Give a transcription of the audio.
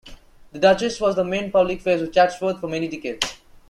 The Duchess was the main public face of Chatsworth for many decades.